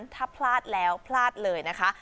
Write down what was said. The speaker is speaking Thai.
ถ้าพลาดแล้วพลาดเลยนะคะ